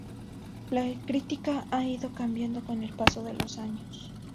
La crítica ha ido cambiando con el paso de los años.